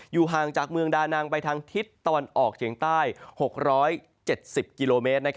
ห่างจากเมืองดานังไปทางทิศตะวันออกเฉียงใต้๖๗๐กิโลเมตร